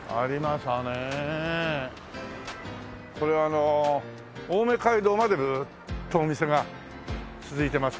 これあの青梅街道までずっとお店が続いてますから。